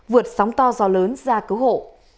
vượt sóng to gió lớn ra cứu hộ